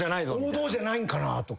王道じゃないんかな？とか。